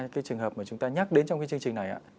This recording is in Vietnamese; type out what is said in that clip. ba cái trường hợp mà chúng ta nhắc đến trong cái chương trình này